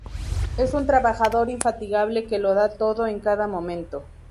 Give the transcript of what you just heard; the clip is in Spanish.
Es un trabajador infatigable que lo da todo en cada momento.